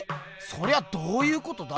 そりゃどういうことだ？